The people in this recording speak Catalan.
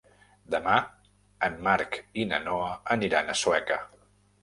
Demà en Marc i na Noa aniran a Sueca.